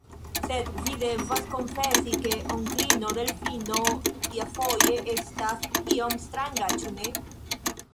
Sed vi devas konfesi, ke onklino Delfino iafoje estas iom stranga; ĉu ne?